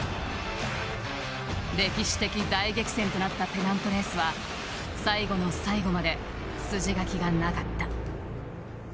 歴史的大激戦となったペナントレースは最後の最後まで筋書きがなかった。